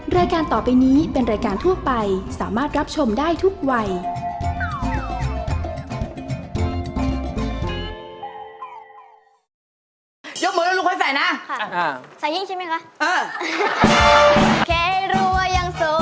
รายการต่อไปนี้เป็นรายการทั่วไปสามารถรับชมได้ทุกวัย